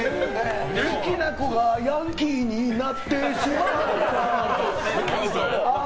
好きな子がヤンキーになってしまった。